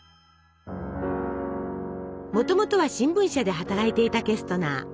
もともとは新聞社で働いていたケストナー。